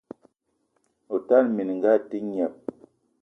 O tala minga a te gneb!